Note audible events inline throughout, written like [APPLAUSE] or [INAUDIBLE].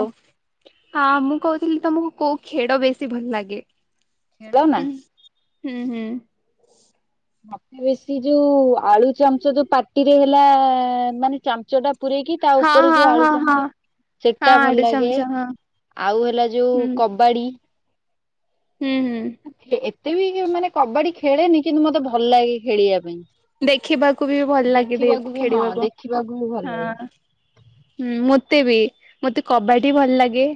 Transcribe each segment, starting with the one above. [INAUDIBLE] ହଁ ମୁଁ କହୁଥିଲି, ତମକୁ କୋଉ ଖେଳ ବେଶୀ ଭଲ ଲାଗେ? ଖେଳ ନା। ହୁଁ ହୁଁ ହୁଁ। ମତେ ବେଶୀ ଯୋଉ ଆଳୁ ଚାମଚ ଯୋଉ ପାଟିରେ ହେଲା ମାନେ ଚାମଚ ଟା ପୂରେଇକି ତା ହଁ ଉପରେ ହଁ ଯୋଉ ଆଳୁ ହଁ ହଁ ଚାହୁଁଛେ, ହଁ ସେଟା ଭଲ ଆଡୁ ଲାଗେ ଚମଚ ହଁ ଆଉ ହେଲା ଯୋଉ ହୁଁ କବାଡି। ହୁଁ ହୁଁ। ମୋତେ ବି ମାନେ କବାଡି ଖେଳେନି, କିନ୍ତୁ ମତେ ଭଲ ଲାଗେ ଖେଳିବା ପାଇଁ। ଦେଖିବାକୁ ବି ଭଲ ଲାଗି ଦେଖିବାକୁ ବି ହଁ ଖେଳିବାକୁ ଦେଖିବାକୁ ବି ଭଲ ଲାଗେ। ହଁ ।ମୁ ମତେ ବି ମତେ କବାଡି ଭଲ ଲାଗେ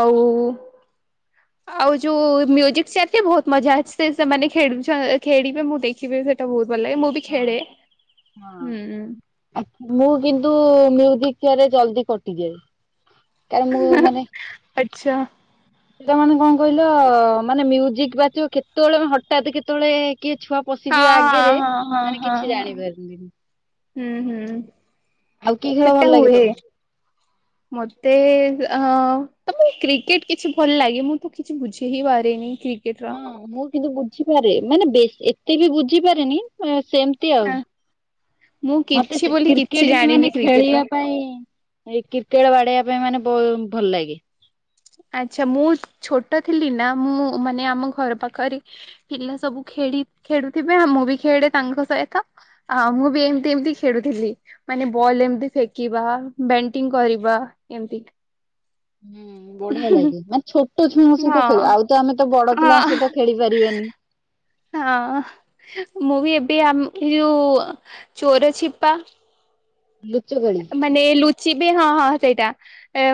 ଆଉ ଆଉ ଯୋଉ ମ୍ୟୁଜିକ ଚା ବହୁତ ମଜା ଅଛି, ସେମାନେ ଖେଳ ଖେଳିବେ ମୁଁ ଦେଖିବି ସେଇଟା ବହୁତ ଭଲ ଲାଗେ ମୁଁ ବି ହଁ ଖେଳେ ହୁଁ ହଁ ଆଛା ମୁଁ କିନ୍ତୁ ଭିକରେ ଜଲଦି କଟିଯାଏ। କାର ମୁଁ ମାନେ ଆଚ୍ଛା ପିଲାମାନେ କଣ କହିଲ ମାନେ ମ୍ୟୁଜିକ ବାଚିବ, କେତେବେଳେେ ହଠତ୍ କେତେବେଳେ କିଏ ଛୁଆ ହଁ ପଶିଯିବା ଆଗରେ ହଁ ହଁ ମାନେ ହଁ ହଁ କିଛି ହଁ ଜାଣି ପାରନ୍ତିନି, ହୁଁ ହୁଁ ଆଉ କିଏ ଖେଳ ସେଟା ଭଲ ଲାଗେ ହୁଏ ତମକୁ? ମତେ ଅ ତମ କ୍ରିକେଟ କିଛି ଭଲ ଲାଗେ, ମୁଁ ତ କିଛି ବୁଝି ହି ପାରେିନି। ହଁ, ମୁଁ କିନ୍ତୁ ବୁଝିପାରେ ମାନେ ବେଶୀ ଟିକେ ବି ବୁଝିପାରେନି ସେମତି ଆଉ, ମୁଁ ମତେ କିଛି ବୋଲି କିଛି କ୍ରିକେଟ ବି ଜାଣିନି ମାନେ କ୍ରିକେଟ ର ଖେଳିବା ପାଇଁ, ଏଇ କ୍ରିକେଟ ବାଡେଇବା ପାଇଁ ମାନେ ବ ଭଲ ଲାଗେ। ଆଚ୍ଛା ମୁଁ ଛୋଟ ଟ ଥିଲି ନା ମୁଁ ମାନେ ଆମ ଘର ପାଖରେ ପିଲା ସବୁ ଖେଳି ଖେଳୁଥିବେଉ ମୁଁ ବି ଖେଳେ ତାଙ୍କ ସହିତ ଆଉ ମୁଁ ବି ଏମିତି ଏମିତି ଖେଳୁଥିଲି ମାନେ ବଲ୍ ଏମତି ଫିଙ୍ଗିବା ବ୍ୟାଟିଂ କରିବା ଏମତି ହୁଁ ବଢିଆ ଲାଗେ ମାନେ ଛୋଟ ଛୁଆଙ୍କ ସହିତ ଖେଳ ଆଉ ତ ଆମେ ତ ବଡ ହଁ ପିଲାଙ୍କ ସହିତ ଖେଳି ପାରିବାନି। ହଁ ମୁଁ ବି ଏବେ ଆମ ଏ ଯୋଉ ଚୋର ଛିପା ଲୁଚକାଳି। ମାନେ ଲୁଚିବେ ହଁ ହଁ ସେଇଟା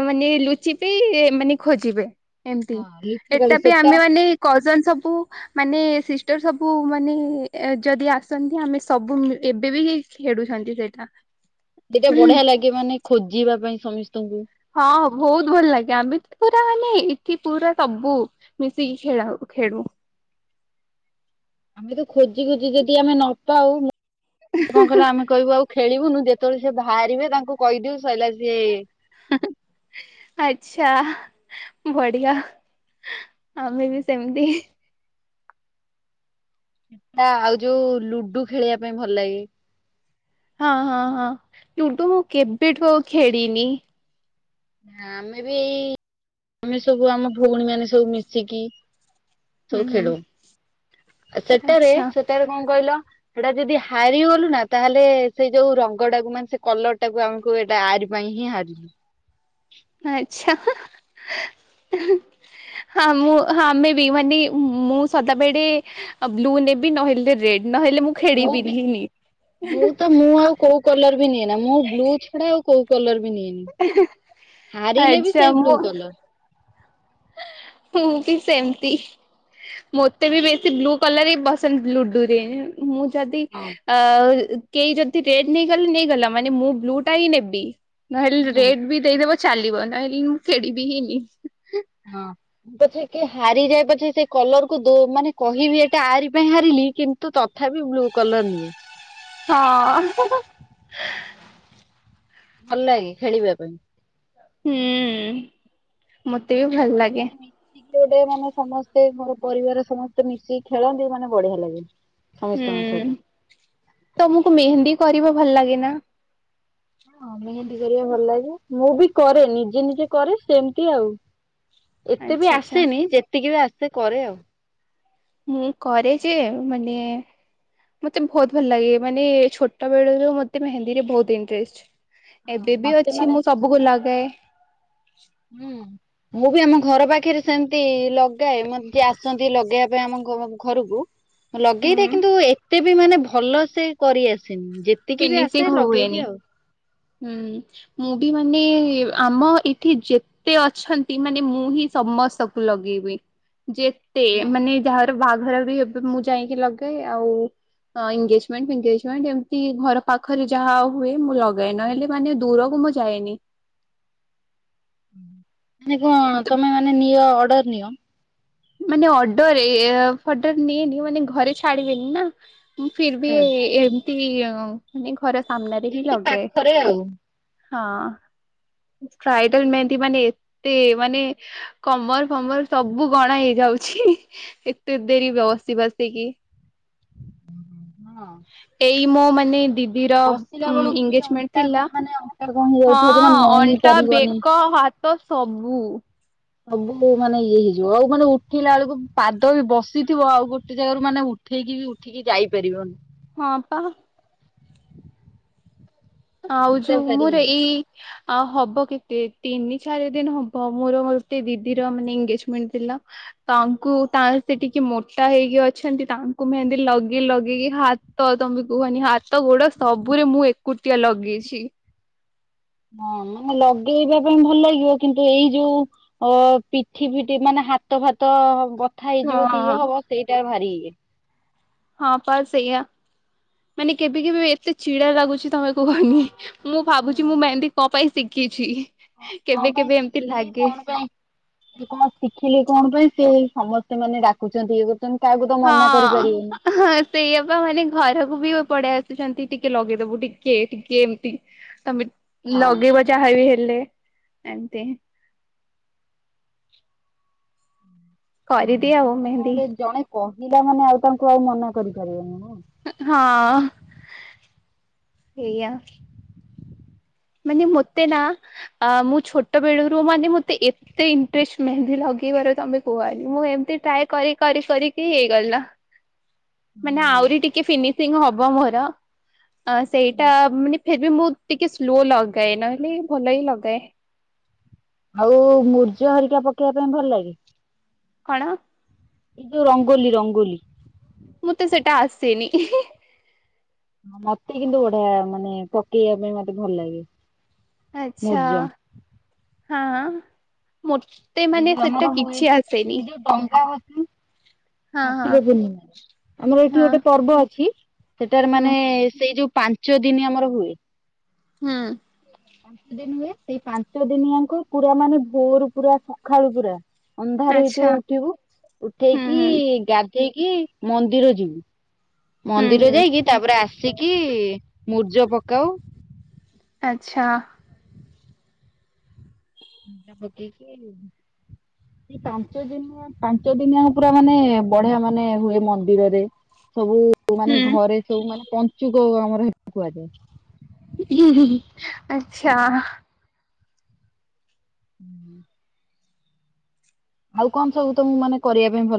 ମାନେ ଲୁଚିବେ ମାନେ ଖୋଜିବେ। ଏମିତି ହଁ ଲୁଚକାଳି ଏଟା ବି ସେଟା ଆମେ ମାନେ କଜନ ସବୁ ମାନେ ସିଷ୍ଟର ସବୁ ମାନେ ଯଦି ଆସନ୍ତି ଆମେ ସବୁ ଏବେ ବିି ଖେଳୁଛନ୍ତି ସେଇଟା। ଏଇଟା ବଢିଆ ଲାଗେ ମାନେ ଖୋଜିବା ପାଇଁ। ସମସ୍ତଙ୍କୁ। ହଁ ବହୁତ ଭଲ ଲାଗେ ଆମେ ତ ପୁରା ମାନେ ଏଠି ପୁରା ସବୁ ମିଶିକି ଖେଳ ଖେଳୁ। ଆମେ ତ ଖୋଜି ଖୋଜି ଯଦି ଆମେ ନ ପାଉ କଣ କହିଲ ଆମେ କହିବୁ ଆଉ ଖେଳିବୁନୁ ଯେତେବେଳେ ସି ବାହାରିବେ ତାଙ୍କୁ କହିଦେଉ ସରିଲା ସିଏ ଆଚ୍ଛା ବଢିଆ । ଆମେ ବି ସେମିତି। ସେଟା ଆଉ ଯୋଉ ଲୁଡୁ ଖେଳିବା ପାଇଁ ଭଲ ଲାଗେ। ହଁ ହଁ ହଁ ଲୁଡ଼ୁ ମୁଁ କେବେଠୁ ଆଉ ଖେଳିିନି। ନା ଆମେ ବି ଏଇ ଆମେ ସବୁ ଆମ ଭଉଣୀ ମାନେ ସବୁ ମିଶିକି ହୁଁ ସବୁ ହୁଁ ଖେଳୁ ସେଟାରେ ଆଚ୍ଛା ସେଟାରେ କଣ କହିଲ? ସେଇଟା ଯଦି ହାରିଗଲୁ ନା ତାହେଲେ ସେଇ ଯୋଉ ରଙ୍ଗଟାକୁ ମାନେ ସେ କଲରଟାକୁ ଆମକୁ ଏଇଟା ଆର ପାଇଁ ହିଁ ହାରିଲୁ। ଆଚ୍ଛା ହଁ ମୁଁ ଆମେ ବି ମାନେ ମୁଁ ସଦାବେଳେ ବ୍ଲୁ ନେବି ନହେଲେ ରେଡ୍। ନହେଲେ ମୁଁ ବି ଖେଳିବିନି। ମୁଁ ତ ମୁଁ ଆଉ କୋଉ କଲର ବି ନିଏ ନା ମୁଁ ବ୍ଲୁ ଛଡା ଆଉ କୋ କଲବି ନିଏନି। ହାରିଲେ ବି ଆଚ୍ଛା ସେଇ ବ୍ଲୁ ମୁଁ କଲର ମୁଁ ବି ସେମତି ମୋତେ ବି ବେଶୀ ବ୍ଲୁ କଲର ହି ପସନ୍ଦ ଲୁଡୁ ରେ ମୁଁ ଯଦି ହଁ ଆ କେହି ଯଦି ରେଡ୍ ନେଇଗଲେ ନେଇଗଲା ମାନେ ମୁଁ ବ୍ଲୁ ଟା ହିଁ ନେବି। ନହେଲେ ହୁଁ। ରେଟ୍ ବି ଦେଇଦବ ଚାଲିବ ନହେଲେ ମୁଁ ଖେଳିବିହିନି। ହଁ ମୁ ପଛେ କି ହାରିଯାଏ ପଛେ ସେ କଲର କୁ ଦୋ ମାନେ କହିବି ଏଟା ଆରି ପାଇଁ ହାରିଲି କିନ୍ତୁ ତଥାପି ବ୍ଲୁ କଲର ନିଏ। ହଁ। ଭଲ ଲାଗେ ଖେଳିବା ପାଇଁ। ହୁଁ। ମତେ ବି ସବୁ ଭଲ ଲାଗେ। ମାନେ ମିଶିକି ଗୋଟେ ମାନେ ସମସ୍ତେ ମୋର ପରିବାର ସମସ୍ତେ ମିଶିକି ଖେଳନ୍ତି ମାନେ ବଢିଆ ଲାଗେ। ହୁଁ ସମସ୍ତଙ୍କ ସହିତ। ତମକୁ ମେହେନ୍ଦୀ କରିବା ଭଲ ଲାଗେ ନା? ହଁ ମେହେନ୍ଧି କରିବା ଭଲ ଲାଗେ। ମୁଁ ବି କରେ ନିଜେ ନିଜେ କରେ ସେମିତି ଆଉ। ଏତେ ଆଚ୍ଛା ବି ଆଚ୍ଛା। ଆସେନି। ଯେ ଟିକେ ବି ଆସେ କରେ ଆଉ। ମୁଁ କରେ ଯେ ମାନେ ମତେ ବହୁତ ଭଲ ଲାଗେ ମାନେ ଛୋଟ ବେଳରୁ ମତେ ମେହେନ୍ଦୀରେ ବହୁତ ଇଣ୍ଟରେଷ୍ଟ୍। ହଁ ଏବେ ବି ମତେ ଅଛି ମାନେ ମୁଁ ସବୁକୁ ଲଗାଏ। ହୁଁ ମୁଁ ବି ଆମ ଘର ପାଖରେ ସେମିତି ଲଗାଏ। ମତେ ଯିଏ ଆସନ୍ତି ଲଗେଇବା ପାଇଁ ଆମ ଘରକୁ। ହୁଁ ଲଗେଇଦିଏ କିନ୍ତୁ ଏତେ ବି ମାନେ ଭଲ ସେ କରିଆ ସିନି ଯେତିକି ବି ଫିନିସିଂ ଆସେ ହୁଏନି। ଲଗେଇଦି ଆଉ। ହୁଁ ମୁଁ ବି ମାନେ ଆମ ଏଠି ଯେତେ ଅଛନ୍ତି ମାନେ ମୁଁ ହିଁ ସମସ୍ତଙ୍କୁ ଲଗେଇବି। ଯେତେ ମାନେ ଯାହା ବାହାଘର ବି ମୁଁ ଯାଇକି ଲଗେ ଆଉ ଏନଗେଜମେଣ୍ଟ ଫେନଗେଜମେଣ୍ଟ ଏମ୍ ତି ଘର ପାଖରେ ଯାହା ହୁଏ ମୁଁ ଲଗାଏ। ନହେଲେ ମାନେ ଦୂରକୁ ମୁଁ ଯାଏନି। ହଁ ମାନେ କଣ ମତେ ତମେ ମାନେ ନିଅ ଅର୍ଡର ନିଅ? ମାନେ ଅର୍ଡର ଏ ଫଡର ନିଏନି ମାନେ ଘରେ ଛାଡିବେନି ନା। ମୁଁ ଫିର୍ବୀ ହୁଁ ଏ ତି ଆ ମାନେ ଘ ଏମିତି ପାଖରେ ଆଉ। ହଁ ବ୍ରାଇଡାଲ ମେହେନ୍ଦି ମାନେ ଏତେ ମାନେ କମଲ ପମଲ୍ ସବୁ କଣ ହେଇଯାଉଛି ଏତେ ଦେରି ବସି ବସିକି। ହଁ ମୋ ମାନେ ଦିଦିର ବସିଲା ବେଳକୁ ବି ଏନଗେଜମେଣ୍ଟ ଅଣ୍ଟା କଣ ଥିଲା ମାନେ ଅଣ୍ଟା କଣ ହେଇଯାଉଥିବ ଜମା ହଁ ନଇଁ ଅଣ୍ଟା ପାରିବନି। ବେକ ହାତ ସବୁ। ସବୁ ମାନେ ଇଏ ହେଇଯିବ ଆଉ ମାନେ ଉଠିଲା ବେଳକୁ ପାଦ ବି ବସିଥିବ ଆଉ ଗୋଟେ ଜାଗାରୁ ମାନେ ଉଠେଇକି ବି ଉଠିକି ଯାଇପାରିବନି। ହଁପା। ଆଉ ଏଇଟା ଯୋଉ ଭାରି ମୋର ଏଇ ଆଉ ହବ କେତେ ତିନି ଚାରି ଦିନ ହବ ମୋର ଗୋଟେ ଦିଦିର ମାନେ ଏଗେଜମେଣ୍ଟ ଥିଲା ତାଙ୍କୁ ତା ସେ ଟିକେ ମୋଟା ହେଇକି ଅଛନ୍ତି ତାଙ୍କୁ ମୁ ଏତି ଲଗେଇ ଲଗେଇକି ହାତ ତମେ କହନି ହାତ ଗୋଡ ସବୁରେ ମୁଁ ଏକୁଟିଆ ଲଗେଇଛି। ହଁ ମାନେ ଲଗେଇବା ପାଇଁ ଭଲ ଲାଗିବ କିନ୍ତୁ ଏଇ ଯୋଉ ଅ ପିଠ ପିଠ ମାନେ ହାତ ଫାତ କଥା ହେଇଯିବ କି ହଁ। ଇଏ ହବ ସେଇଟା ଭାବି ହ [INAUDIBLE] ହଁ ପା ସେଇଆା ମାନେ କେବେ କେବେ ଏତେ ଚିଡ଼ା ଲାଗୁଛି ତମେ କୁହନି। ମୁଁ ଭାବୁଛି ମୁଁ ମେହେନ୍ଦୀ କଣ ପାଇଁ ଶିି କିଛି। ହଁ କଣ ପାଇଁ ଶିଖିଲି କଣ ପାଇଁ କଣ ଶିଖିଲି କଣ ପାଇଁ ସେ ସମସ୍ତେ ମାନେ ଡାକୁଛନ୍ତି ଇଏ କରୁଛନ୍ତି କାହାକୁ ତ ମନା ହଁ କରିପାରିବେନି। ସେଇଆ ପା ମାନେ ଘରକୁ ବି ପଡେଇ ଆସି ଛନ୍ତି, ଟିକେ ଲଗେଇଦବୁ ଟିକେ ଟିକେ ଏମିତି ତମେ ହଁ ଲଗେଇବ ଯାହାବି ହେଲେ ଲେ ଏମିତି। [INAUDIBLE] କରିଦିଏ ଆଉ ମାନେ କଣ ମେହେନ୍ଦି। ଗୋଟେ ଜଣେ କହିଲା ମାନେ ଆଉ ତାଙ୍କୁ ଆଉ ମନା କରିପାରିବେନି ନାଁ ହଁ ସେଇଆ। ମାନେ ମତେ ନା ଅ ମୁଁ ଛୋଟ ବେଳୁରୁ ମାନେ ମତେ ଏତେ ଇଣ୍ଟ୍ରେଷ୍ଟ ମେହେନ୍ଦୀ ଲଗେଇବାର ତମେ କୁହନି। ମୁଁ ଏମିତି ଟ୍ରାଏ କରି କରି କରିକି ହେଇଗଲା। ମାନେ ଆହୁରି ଟିକେ ଫିନିସିଂ ହବ ମୋର। ଅ ସେଇଟା ମାନେ ଫିର୍ ବି ମୁଁ ଟିକେ ସ୍ଲୋ ଲଗାଏ ନହେଲେ ଭଲ ହିଁ ଲଗାଏ। ଆଉ ମୂର୍ଜ ହରିକା ପକେଇବା ପାଇଁ ଭଲ ଲାଗେ। କଣ। ଏ ଯୋଉ ରଙ୍ଗୋଲି ରଙ୍ଗୋଲି। ମୋତେ ସେଟା ଆସେନି। ମତେ କିନ୍ତୁ ବଢିଆ ମାନେ ପକେଇବା ପାଇଁ ମତେ ଭଲ ଲାଗେ। ଆଚ୍ଛା। ମୂର୍ଜ ହଁ। ମତେ ଏଇ ମାନେ ଯୋଉ ଆମର ସେଟା ହୁଏ କିଛି ଆସେନି। ଏଇ ଯୋଉ ଡଙ୍ଗା ଭସା ହଁ ହଁ କାର୍ତ୍ତିକ ପୂର୍ଣ୍ଣିମା ଆମର ଏଇଠି ହଁ ଗୋଟେ ପର୍ବ ଅଛି। ସେଟାରେ ହୁଁ ମାନେ ସେଇ ଯୋଉ ପା ପାଞ୍ଚ ଦିନି ଆମର ହୁଏ। ହୁଁ। ପାଞ୍ଚ ଦିନ ହୁଏ ସେଇ ପାଞ୍ଚ ଦିନିଆଙ୍କ ପୁରା ମାନେ ଭୋରୁ ପୁରା ସଖାଳୁ ପୁରା। ଅନ୍ଧାର ହେଇଥିବ ଆଚ୍ଛା ଉଠିବୁ ହୁଁ ଉଠେଇକି ହୁଁ ଗା ଧେଇକି ମନ୍ଦିର ଯିବୁ। ହୁଁ ମନ୍ଦିର ହୁଁ ଯାଇକି ତାପରେ ଆସିକି ମୂର୍ଜ ପକ୍ କଉ ଆଚ୍ଛା। ମୂର୍ଜ ପକେଇକି ଏ ପାଞ୍ଚ ଦିନି ଆ ପାଞ୍ଚ ଦିନିଆ ପୁରା ମାନେ ବଢିଆ ମାନେ ହୁଏ ମନ୍ଦିରରେ ସବୁ ମାନେ ଘରେ ସବୁ ମାନେ ପଞ୍ଚୁକ ଆମ [UNINTELLIGIBLE] କୁହାଯାଏ। ହିଁ ହିଁ ଆଚ୍ଛା। ହୁଁ [INAUDIBLE] ଆଉ କଣ ସବୁ ତମଁ ମାନେ କରିବା ପାଇଁ ଭଲ